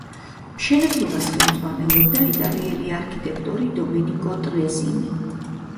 მშენებლობას ხელმძღვანელობდა იტალიელი არქიტექტორი დომენიკო ტრეზინი.